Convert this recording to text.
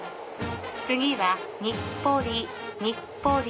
次は日暮里日暮里。